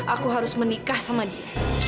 aku harus menikah sama dia